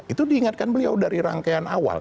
itu diingatkan beliau dari rangkaian awal